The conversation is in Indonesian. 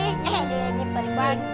eh dia jepari balik